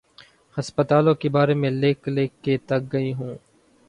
ہسپتالوں کے بارے میں لکھ لکھ کے تھک گئے ہوں۔